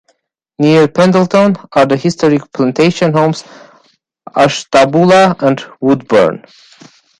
Near Pendleton are the historic plantation homes Ashtabula and Woodburn.